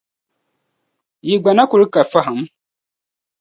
Yi gba na kul ka fahim?